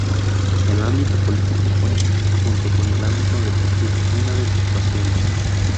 El ámbito político fue, junto con el ámbito deportivo, una de sus pasiones.